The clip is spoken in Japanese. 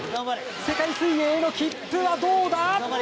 世界水泳への切符はどうだ。